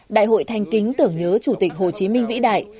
đại hội thanh kính tưởng nhớ chủ tịch hồ chí minh vĩ đại